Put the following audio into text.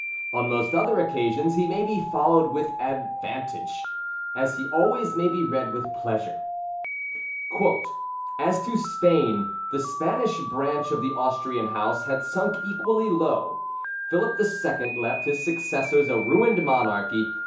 On most other occasions he may be followed with advantage, as he always may be read with pleasure.] "As to Spain, the Spanish branch of the Austrian house had sunk equally low. Philip II. left his successors a ruined monarchy.